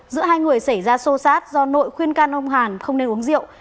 giữa hai người xảy ra xô xát do nội khuyên can ông hàn không nên uống rượu